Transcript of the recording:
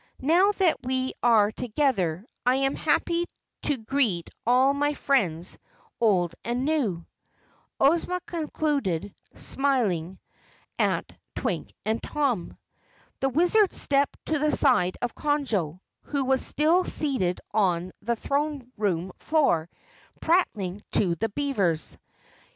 Now that we are together I am happy to greet all my friends old and new," Ozma concluded, smiling at Twink and Tom. The Wizard stepped to the side of Conjo, who was still seated on the throne room floor prattling to the beavers.